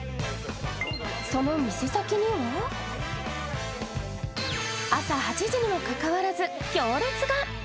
その店先には朝８時にもかかわらず行列が。